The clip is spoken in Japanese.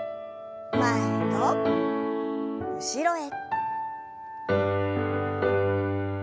前と後ろへ。